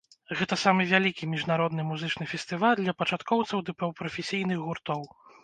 Гэта самы вялікі міжнародны музычны фестываль для пачаткоўцаў ды паўпрафесійных гуртоў.